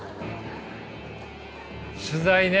取材ね！